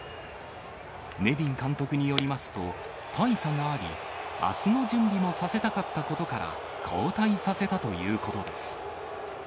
ネビン監督によりますと、大差があり、あすの準備もさせたかったことから、交代させたということです。